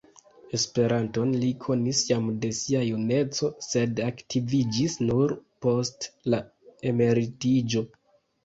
Esperanton li konis jam de sia juneco, sed aktiviĝis nur post la emeritiĝo.